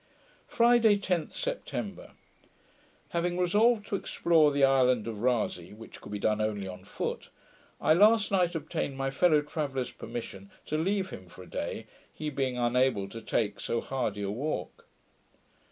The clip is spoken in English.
Friday, 10th September Having resolved to explore the island of Rasay, which could be done only on foot, I last night obtained my fellow traveller's permission to leave him for a day, he being unable to take so hardy a walk.